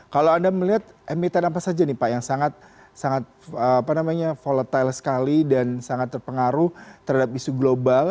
kalau anda melihat emiten apa saja nih pak yang sangat volatile sekali dan sangat terpengaruh terhadap isu global